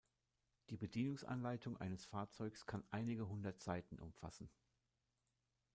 Die Bedienungsanleitung eines Fahrzeugs kann einige hundert Seiten umfassen.